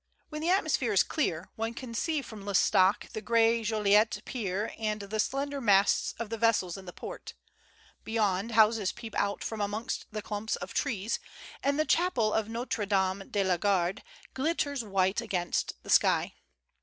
When the atmosphere is clear one can see from L'Es taque the gray Joliet te pier and tlie slender masts of the vessels in the port; beyond, houses peep out from amongst clumps of trees, and the chapel of Notre Darne de la Garde glitters white against the sky.